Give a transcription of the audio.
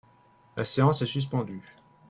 La séance est suspendue.